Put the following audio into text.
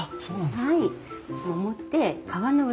はい。